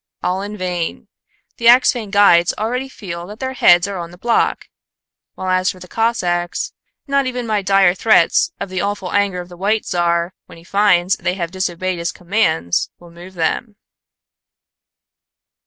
All in vain. The Axphain guides already feel that their heads are on the block; while as for the Cossacks, not even my dire threats of the awful anger of the White Czar, when he finds they have disobeyed his commands, will move them."